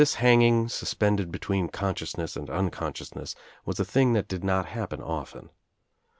This hanging suspended between consciousness and unconsciousness was a thing that did not happen often.